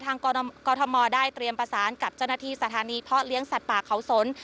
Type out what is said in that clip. กรทมได้เตรียมประสานกับเจ้าหน้าที่สถานีเพาะเลี้ยงสัตว์ป่าเขาสน